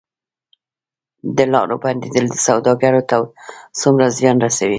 د لارو بندیدل سوداګرو ته څومره زیان رسوي؟